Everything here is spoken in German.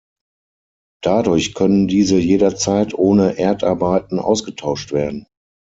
Dadurch können diese jederzeit ohne Erdarbeiten ausgetauscht werden.